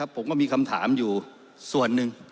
ผมก็มีคำถามอยู่ส่วนหนึ่ง